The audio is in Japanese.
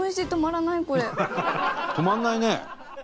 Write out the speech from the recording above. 止まんないね。